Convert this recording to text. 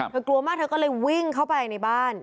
กลัวมากเธอก็เลยวิ่งเข้าไปในบ้าน